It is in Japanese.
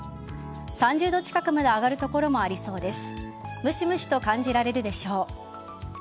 ３０度近くまで上がる所もありそうです。